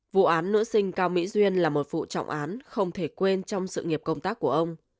vụ án nữ sinh cao mỹ duyên là một vụ trọng án không thể quên trong sự nghiệp công tác của ông